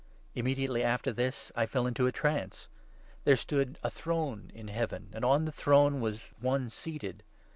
Immediately after this I fell into a trance. There stood a throne in Heaven, and on the throne was One seated.